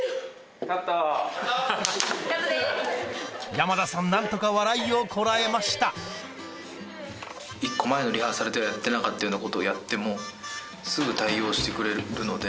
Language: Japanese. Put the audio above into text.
山田さん何とか笑いをこらえました一個前のリハーサルではやってなかったようなことをやってもすぐ対応してくれるので。